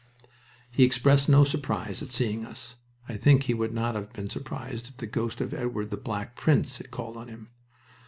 He expressed no surprise at seeing us. I think he would not have been surprised if the ghost of Edward the Black Prince had called on him.